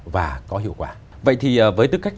và có hiệu quả vậy thì với tư cách